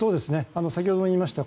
先ほども言いました